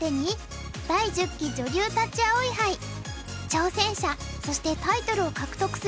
挑戦者そしてタイトルを獲得するのは誰か。